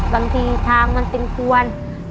บางทีทางมันเป็นกวน